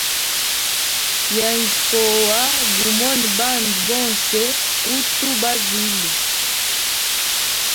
Yenjya kowa gumone bandu bonse uthu bavile.